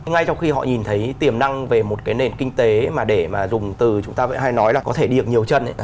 nhưng họ nhìn thấy tiềm năng về một cái nền kinh tế mà để mà dùng từ chúng ta hay nói là có thể đi ở nhiều chân ấy